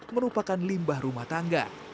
membah rumah tangga